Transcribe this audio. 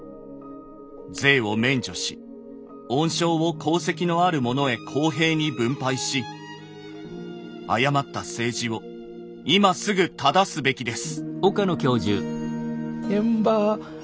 税を免除し恩賞を功績のある者へ公平に分配し誤った政治を今すぐ正すべきです」。